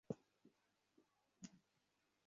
Call করার জন্য sorry, কিন্তু কি করব বুঝতে পারছি না।